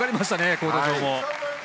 コート上も。